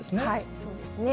そうですね。